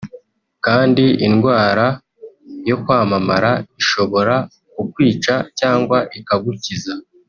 kandi indwara yo kwamamara ishobora kukwica cyangwa ikagukiza